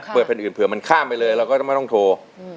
แผ่นอื่นเผื่อมันข้ามไปเลยเราก็จะไม่ต้องโทร